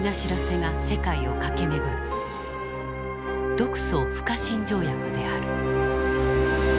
独ソ不可侵条約である。